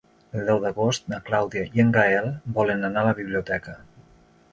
El deu d'agost na Clàudia i en Gaël volen anar a la biblioteca.